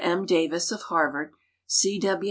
M. Davis, of Harvard ; C. W.